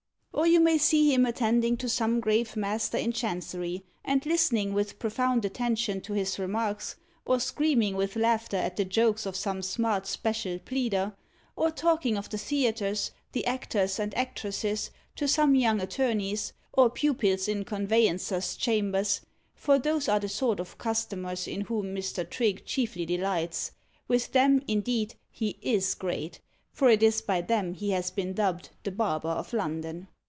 Or you may see him attending to some grave master in Chancery, and listening with profound attention to his remarks; or screaming with laughter at the jokes of some smart special pleader; or talking of the theatres, the actors and actresses, to some young attorneys, or pupils in conveyancers' chambers; for those are the sort of customers in whom Mr. Trigge chiefly delights; with them, indeed, he is great, for it is by them he has been dubbed the Barber of London.